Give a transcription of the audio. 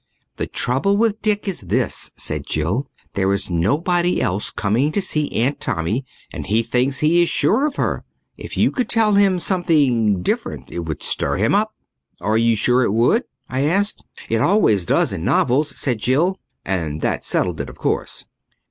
"The trouble with Dick is this," said Jill. "There is nobody else coming to see Aunt Tommy and he thinks he is sure of her. If you could tell him something different it would stir him up." "Are you sure it would?" I asked. "It always does in novels," said Jill. And that settled it, of course.